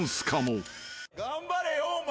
頑張れよお前。